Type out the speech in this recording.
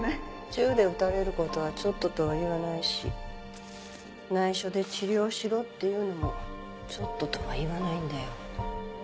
銃で撃たれることは「ちょっと」とは言わないし内緒で治療しろっていうのも「ちょっと」とは言わないんだよ。